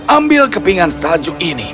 ambil kepingan salju ini